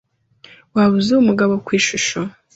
Waba uzi uyu mugabo ku ishusho?